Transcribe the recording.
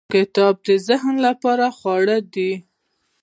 • کتاب د ذهن لپاره خواړه دی.